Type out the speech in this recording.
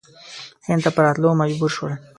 هند ته په راتللو مجبور شول.